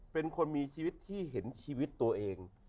เป็นคนมีชีวิตที่เห็นชีวิตตัวเอง